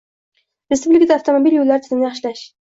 Respublikada avtomobil yo'llari tizimini yaxshilash